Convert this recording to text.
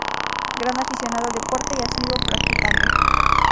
Gran aficionado al deporte y asiduo practicante.